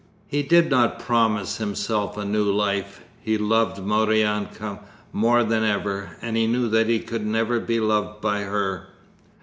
He did not promise himself a new life. He loved Maryanka more than ever, and knew that he could never be loved by her.